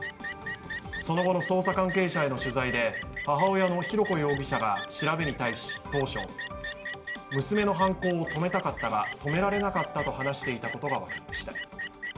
その後の捜査関係者への取材で母親の浩子容疑者が調べに対し、当初、娘の犯行を止めたかったが止められなかったと話していたことが分かりました。